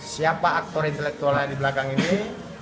siapa aktor intelektual yang ada di belakang ini